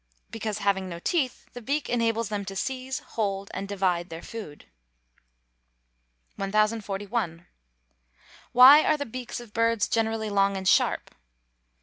_ Because, having no teeth, the beak enables them to seize, hold, and divide their food. 1041. _Why are the beaks of birds generally long and sharp?